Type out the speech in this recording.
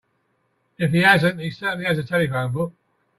If he hasn't he certainly has a telephone book.